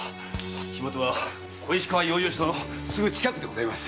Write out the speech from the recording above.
火元は小石川養生所のすぐ近くでございます。